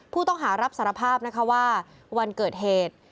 ผู้ต้องหารับสารภาพนะคะว่าวันเกิดเหตุ